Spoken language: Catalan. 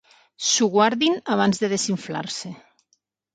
S'ho guardin abans de desinflar-se.